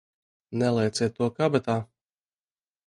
Nelieciet to kabatā!